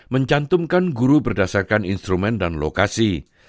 mencantumkan guru berdasarkan instrumen dan lokasi